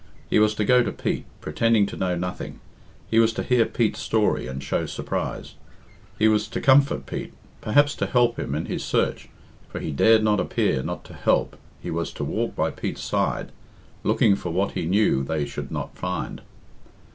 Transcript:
He was to go to Pete, pretending to know nothing; he was to hear Pete's story, and show surprise; he was to comfort Pete perhaps to help him in his search, for he dared not appear not to help he was to walk by Pete's side, looking for what he knew they should not find.